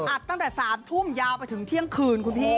อัดตั้งแต่๓ธุ่มยาวไปถึง๑๐๐๐น